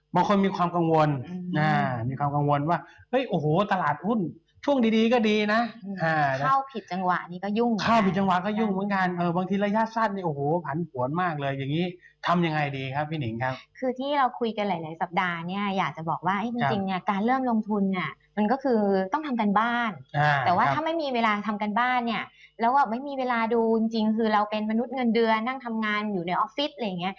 เลยอย่างงี้ทำยังไงดีครับพี่ดิงครับคือที่เราคุยกันหลายหลายสัปดาห์เนี่ยอยากจะบอกว่าเอ้ยจริงจริงเนี่ยการเริ่มลงทุนอ่ะมันก็คือต้องทำการบ้านอ่าแต่ว่าถ้าไม่มีเวลาทำการบ้านเนี่ยแล้วแบบไม่มีเวลาดูจริงจริงคือเราเป็นมนุษย์เงินเดือนนั่งทำงานอยู่ในออฟฟิศ